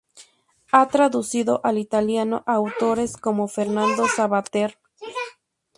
Ha traducido al italiano a autores como Fernando Savater.